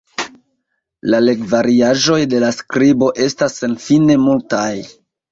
La legvariaĵoj de la skribo estas senfine multaj.